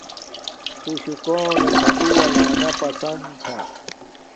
تو شو کونے کھاٹورہ لانا پسن چھا۔